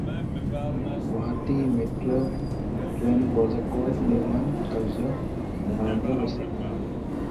Guwahati metro train প্ৰজেক্টৰ নিৰ্মাণ কাৰ্য্য আৰম্ভ হৈছে।